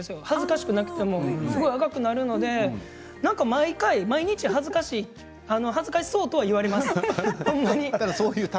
恥ずかしくなくても赤くなるので毎回毎日、恥ずかしそうとは言われます。